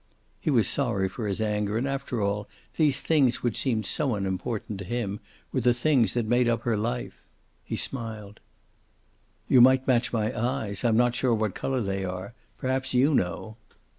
He was sorry for his anger, and after all, these things which seemed so unimportant to him were the things that made up her life. He smiled. "You might match my eyes. I'm not sure what color they are. Perhaps you know."